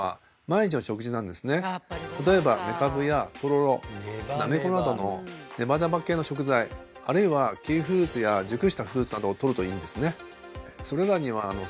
例えばめかぶやとろろなめこなどのあるいはキウイフルーツや熟したフルーツなどをとるといいんですね